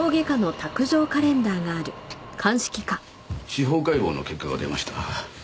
司法解剖の結果が出ました。